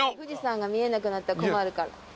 富士山が見えなくなったら困るから。